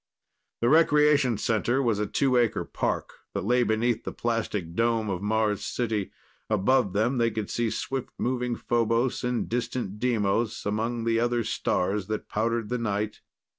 The Recreation Center was a two acre park that lay beneath the plastic dome of Mars City. Above them they could see swift moving Phobos and distant Deimos among the other stars that powdered the night.